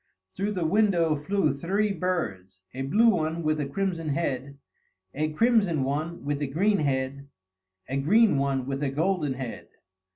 Through the window flew three birds: a blue one with a crimson head; a crimson one with a green head; a green one with a golden head.